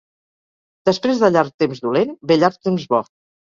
Després de llarg temps dolent ve llarg temps bo.